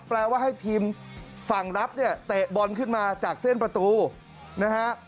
แปลว่าให้ทีมฝั่งรับเนี่ยเตะบอลขึ้นมาจากเส้นประตูนะฮะ